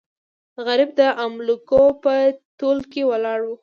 غریب د املوکو په تول کې ولاړو.